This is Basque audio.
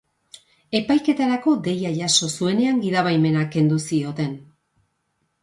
Epaiketarako deia jaso zuenean, gidabaimena kendu zioten.